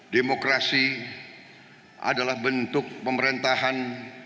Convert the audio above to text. demokrasi adalah bentuk pemerintahan